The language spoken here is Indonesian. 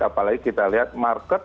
apalagi kita lihat market